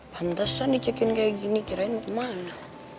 pantesan dicekin kayak gini kirain mau ke mana